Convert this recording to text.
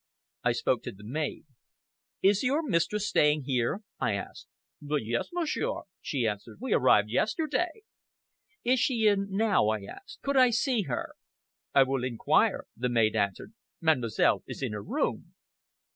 I spoke to the maid. "Is your mistress staying here?" I asked. "But yes, monsieur!" she answered. "We arrived yesterday." "Is she in now?" I asked. "Could I see her?" "I will inquire," the maid answered. "Mademoiselle is in her room."